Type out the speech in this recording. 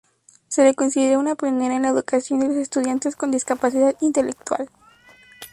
Se la considera una pionera en la educación de los estudiantes con discapacidad intelectual.